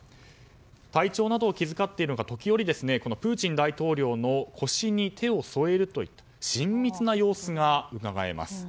体調などを気遣っているのか時折、プーチン大統領の腰に手を添えるという親密な様子がうかがえます。